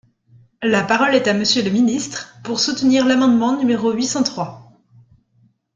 La parole est à Monsieur le ministre, pour soutenir l’amendement numéro huit cent trois.